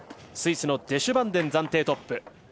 スイスのデシュバンデン暫定トップ。